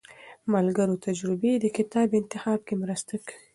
د ملګرو تجربې د کتاب انتخاب کې مرسته کوي.